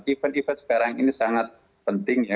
event event sekarang ini sangat penting ya